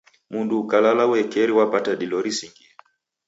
Mndu ukalala uekeri wapata dilo risingie.